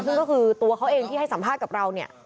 ซึ่งก็คือตัวเขาเองที่ให้สัมภาษณ์กับเราเนี่ย